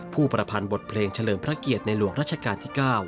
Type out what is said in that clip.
ประพันธ์บทเพลงเฉลิมพระเกียรติในหลวงรัชกาลที่๙